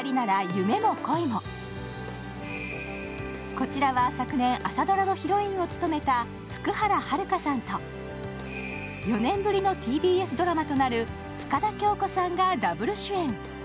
こちらは昨年、朝ドラのヒロインを務めた福原遥さんと、４年ぶりのＴＢＳドラマとなる深田恭子さんがダブル主演。